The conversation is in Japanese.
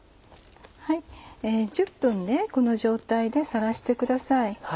はい１０分この状態でさらしてください。